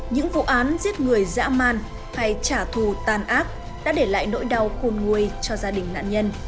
những vụ án giết người dã man hay trả thù tan ác đã để lại nỗi đau khôn nguôi cho gia đình nạn nhân